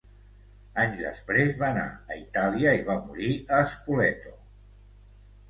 Anys després va anar a Itàlia i va morir a Spoleto.